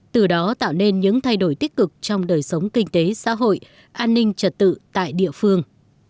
từ đó tạo nên những thay đổi tích cực trong đời sống kinh tế xã hội an ninh trật tự tại địa phương